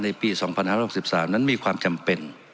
ปี๒๕๖๓นั้นมีความจำเป็น